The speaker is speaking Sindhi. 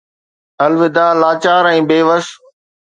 الوداع، لاچار ۽ بيوس